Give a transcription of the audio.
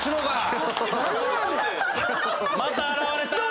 また現れた！